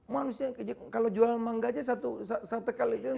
manusia kalau jual mangga aja satu kali